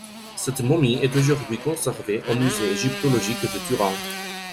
Cette momie est aujourd'hui conservée au Musée égyptologique de Turin.